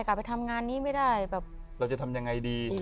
กลับไปทำงานนี้ไม่ได้แบบเราจะทำยังไงดี